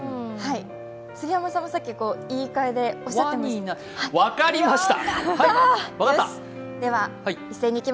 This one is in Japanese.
杉山さんもさっき言い換えでおっしゃってました。